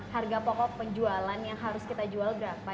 harga pokok penjualan yang harus kita jual berapa